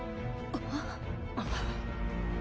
あっ。